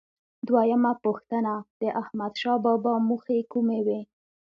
دویمه پوښتنه: د احمدشاه بابا موخې کومې وې؟